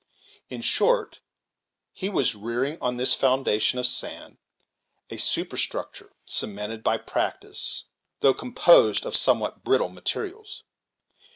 In short, he was rearing, on this foundation of sand a superstructure cemented by practice, though composed of somewhat brittle materials.